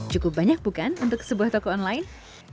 cukup banyak bukan untuk sebuah toko online